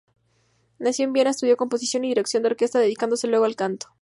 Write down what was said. Nació en Viena, estudió composición y dirección de orquesta dedicándose luego al canto.